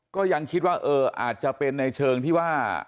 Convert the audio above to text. ก็ยังคิดว่าเอออาจจะเป็นในเชิงที่ว่า